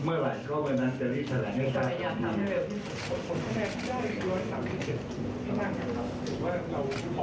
ก็จากวันนี้จะมองไปหลังจากออกจากห้อมนี้ผมก็จะทำหน้าที่ต่อไปเลยครับ